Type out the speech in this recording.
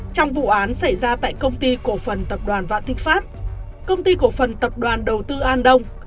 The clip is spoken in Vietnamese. trong vụ án xảy ra tại công ty cổ phần tập đoàn vạn thịnh pháp công ty cổ phần tập đoàn đầu tư an đông